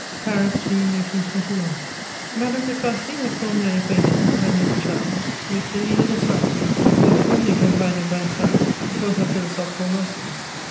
Paris, June, 1821. • Madame de Farcy had formed an acquaintance, I know not how, with Delisle de Sales, who was formerly confined in Vincennes for some philosophical nonsense.